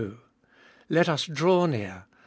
Let us draw near .